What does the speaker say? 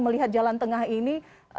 melihat jalan tengah ini